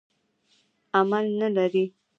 عمل نه لري.